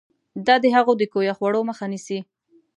دا د هغو د کویه خوړو مخه نیسي.